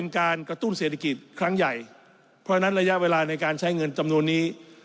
การกระตุ้นเศรษฐกิจครั้งใหญ่เพราะฉะนั้นระยะเวลาในการใช้เงินจำนวนนี้